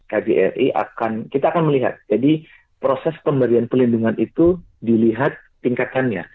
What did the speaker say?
kbri akan kita akan melihat jadi proses pemberian pelindungan itu dilihat tingkatannya